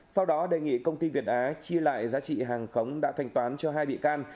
sau đó đề nghị công ty việt á chia lại giá trị hàng khống đã thành toán cho hai bị can